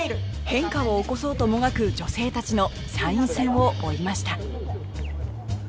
変化を起こそうともがく女性たちの参院選を追いました